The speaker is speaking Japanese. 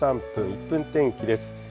１分天気です。